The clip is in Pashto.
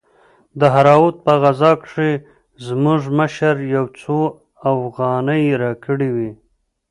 د دهراوت په غزا کښې زموږ مشر يو څو اوغانۍ راکړې وې.